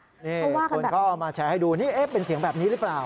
นี่คนก็เอามาแชร์ให้ดูนี่เป็นเสียงแบบนี้หรือเปล่า